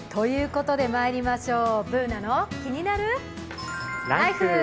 まいりましょう、「ＢｏｏｎａのキニナルＬＩＦＥ」。